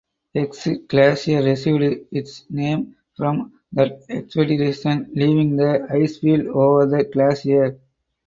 Exit Glacier received its name from that expedition leaving the icefield over the glacier.